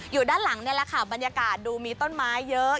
อยู่ด้านหลังนี่แหละค่ะบรรยากาศดูมีต้นไม้เยอะ